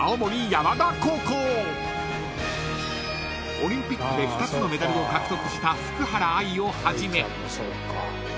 ［オリンピックで２つのメダルを獲得した福原愛をはじめ］